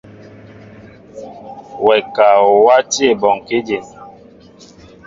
Wɛ ka o wátí ebɔŋkí dǐn.